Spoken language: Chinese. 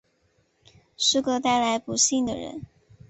是个带来不幸的人